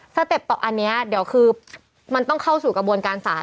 สเต็ปต่ออันนี้เดี๋ยวคือมันต้องเข้าสู่กระบวนการศาล